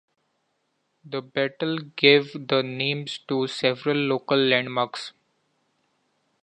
The battle gave the names to several local landmarks.